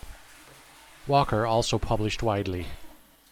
Walker also published widely.